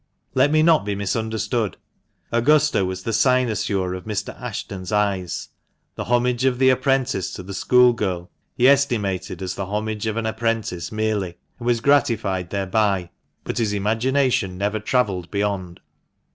Let me not be misunderstood. Augusta was the cynosure of Mr. Ashton's eyes ; the homage of the apprentice to the school girl, he estimated as the homage of an apprentice merely, and was gratified thereby, but his imagination never travelled beyond.